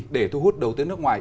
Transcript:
để thu hút đầu tư nước ngoài